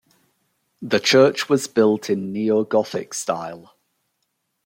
The church was built in Neo-Gothic style.